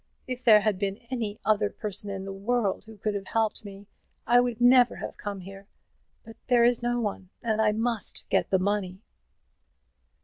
If there had been any other person in the world who could have helped me, I would never have come here; but there is no one, and I must get the money."